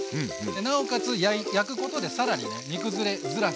なおかつ焼くことで更にね煮くずれづらくなります。